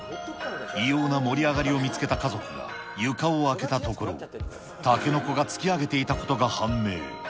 異様な盛り上がりを見つけた家族が床を開けたところ、タケノコが突き上げていたことが判明。